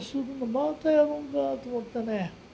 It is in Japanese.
またやるんだと思ってね。